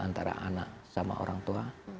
antara anak sama orang tua